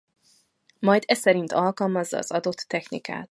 Majd e szerint alkalmazza az adott technikát.